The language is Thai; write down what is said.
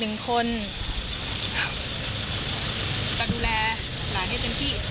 เป็นไปดูแลห้านให้เต็มที่